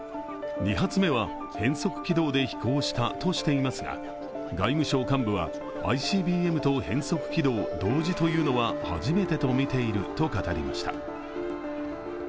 ２発目は変則軌道で飛行したとしていますが外務省幹部は、ＩＣＢＭと変則軌道同時というのは初めてとみていると語りました。